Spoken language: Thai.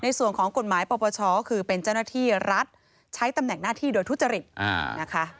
ในส่วนของกฎหมายปปชก็คือเป็นเจ้าหน้าที่รัฐใช้ตำแหน่งหน้าที่โดยทุจริตนะคะ